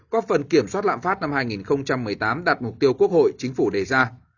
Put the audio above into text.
có phần kiểm soát lạm phát năm hai nghìn một mươi tám đạt mục tiêu quốc hội chính phủ đề ra